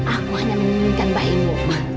aku hanya menginginkan bayimu